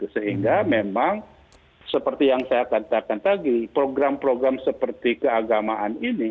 sehingga memang seperti yang saya katakan tadi program program seperti keagamaan ini